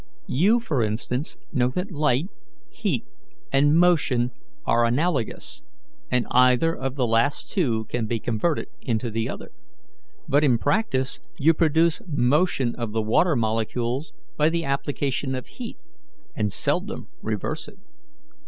You, for instance, know that light, heat, and motion are analogous, and either of the last two can be converted into the other; but in practice you produce motion of the water molecules by the application of heat, and seldom reverse it.